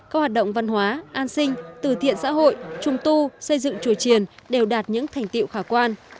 các hoạt động văn hóa an sinh từ thiện xã hội trùng tu xây dựng chùa triển đều đạt những thành tiệu khả quan